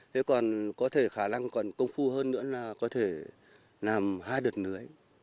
thế còn có thể khả năng còn công phu hơn nữa là có thể làm hai đợt nưới